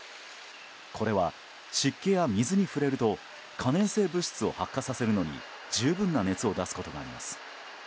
これは、湿気や水に触れると可燃性物質を発火させるのに十分な熱を出すことがあります。